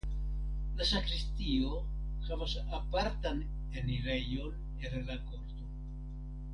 La sakristio havas apartan enirejon el la korto.